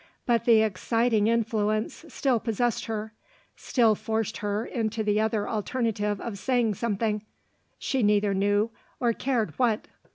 But the exciting influence still possessed her; still forced her into the other alternative of saying something she neither knew nor cared what.